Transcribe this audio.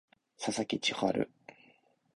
佐々木千隼